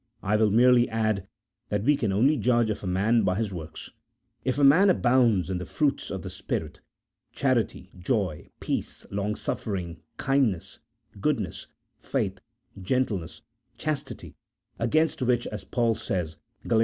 I will merely add that we can only judge of a man by his works. If a man abounds in the fruits of the Spirit, charity, joy, peace, long suffering, kindness, goodness, faith, gentleness, chastity, against which, as Paul says (Gal.